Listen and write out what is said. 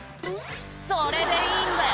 「それでいいんだよ